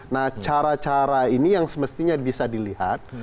nah cara cara ini yang semestinya bisa dilihat